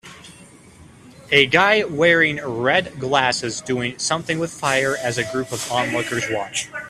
A guy wearing red glasses doing something with fire as a group of onlookers watch